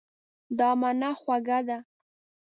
دا مڼه خوږه ده.